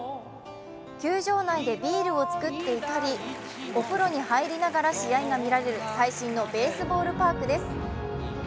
球場内でビールをつくっていたりお風呂に入りながら試合が見られる最新のベースボールパークです。